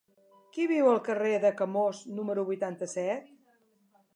Qui viu al carrer de Camós número vuitanta-set?